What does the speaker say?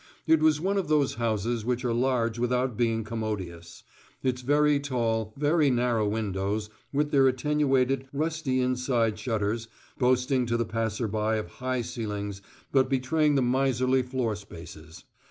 It was one of those houses which are large without being commodious; its very tall, very narrow windows, with their attenuated, rusty inside shutters, boasting to the passerby of high ceilings but betraying the miserly floor spaces.